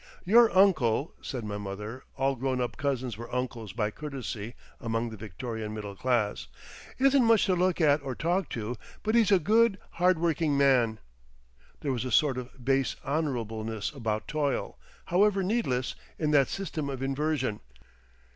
"Your uncle," said my mother—all grown up cousins were uncles by courtesy among the Victorian middle class—"isn't much to look at or talk to, but he's a Good Hard Working Man." There was a sort of base honourableness about toil, however needless, in that system of inversion.